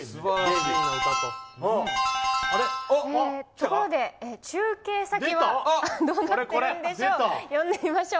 ところで、中継先はどうなってるんでしょう。